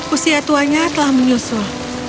usia tuanya telah menyusul